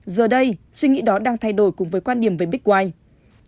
giờ đây suy nghĩ đó đang thay đổi cùng với quan điểm với big white